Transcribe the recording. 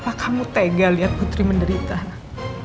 apa kamu dengar apa an neglected anak data datang dari ibu kamu